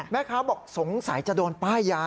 แม่ค้าบอกสงสัยจะโดนป้ายยา